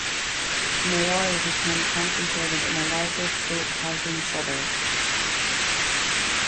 Māori became concentrated in the larger state housing suburbs.